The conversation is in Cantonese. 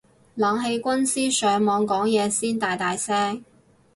冷氣軍師上網講嘢先大大聲